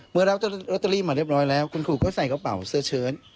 รับลอตเตอรี่มาเรียบร้อยแล้วคุณครูก็ใส่กระเป๋าเสื้อเชิญ